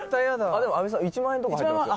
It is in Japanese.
「でも阿部さん１万円とか入ってますよ」